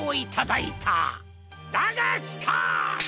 だがしかし！